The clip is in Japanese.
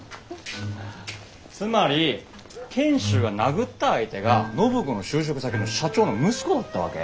つまり賢秀が殴った相手が暢子の就職先の社長の息子だったわけ？